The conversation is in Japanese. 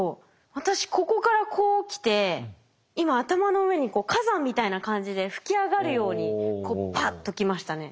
私ここからこう来て今頭の上に火山みたいな感じで噴き上がるようにこうパッと来ましたね。